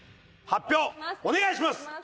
発表お願いします！